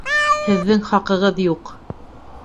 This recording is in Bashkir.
Һеҙҙең хаҡығыҙ юҡ!